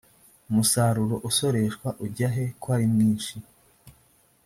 umusaruro usoreshwa ujyahe kwarimwinshi